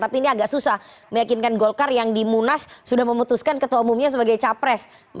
tapi ini agak susah meyakinkan golkar yang di munas sudah memutuskan ketua umumnya sebagai capres